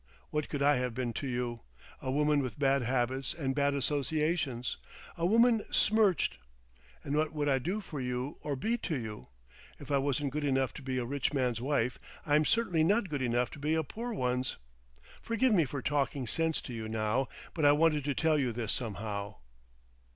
What could I have been to you? A woman with bad habits and bad associations, a woman smirched. And what could I do for you or be to you? If I wasn't good enough to be a rich man's wife, I'm certainly not good enough to be a poor one's. Forgive me for talking sense to you now, but I wanted to tell you this somehow."